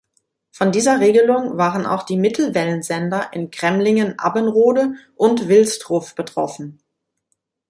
Von dieser Regelung waren auch die Mittelwellensender in Cremlingen-Abbenrode und Wilsdruff betroffen.